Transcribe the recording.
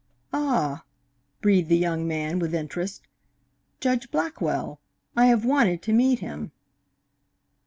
"Ah!" breathed the young man, with interest. "Judge Blackwell! I have wanted to meet him."